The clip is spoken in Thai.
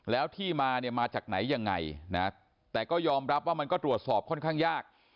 แล้วที่มาเนี่ยมาจากไหนยังไงนะแต่ก็ยอมรับว่ามันก็ตรวจสอบค่อนข้างยาก